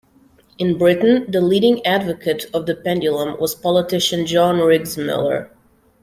In Britain the leading advocate of the pendulum was politician John Riggs Miller.